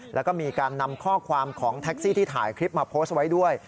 แล้วก็มีการนำข้อความของแท็กซี่ที่ถ่ายคลิปมาโพสต์ไว้ด้วย